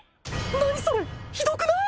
何それひどくない？